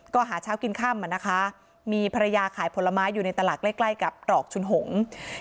ก็หาเช้ากินค่ำอ่ะนะคะมีภรรยาขายผลไม้อยู่ในตลาดใกล้ใกล้กับตรอกชุนหงษ์